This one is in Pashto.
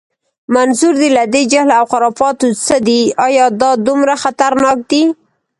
منظور دې له دې جهل و خرافاتو څه دی؟ ایا دا دومره خطرناک دي؟